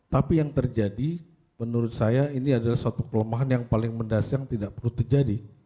tapi yang terjadi menurut saya ini adalah suatu kelemahan yang paling mendasar yang tidak perlu terjadi